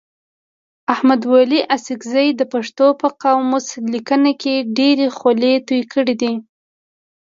احمد ولي اڅکزي د پښتو په قاموس لیکنه کي ډېري خولې توی کړي دي.